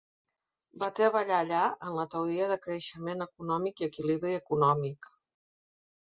Va treballar allà en la teoria de creixement econòmic i equilibri econòmic.